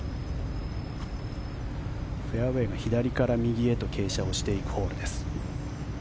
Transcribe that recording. フェアウェーが左から右へと傾斜をしていくホールです。